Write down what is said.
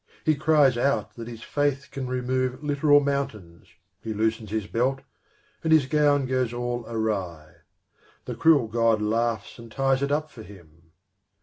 He cries out that his faith can remove literal mountains, he loosens his belt, and his gown goes all awry. The cruel god laughs and ties it up for him.